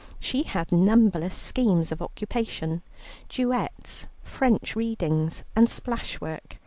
She had numberless schemes of occupation, duets, French readings, and splashwork.